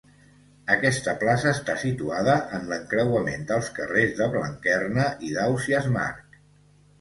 Aquesta plaça està situada en l'encreuament dels carrers de Blanquerna i d'Ausiàs March.